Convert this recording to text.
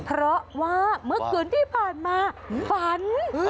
เพราะว่าเมื่อคืนที่ผ่านมาฝัน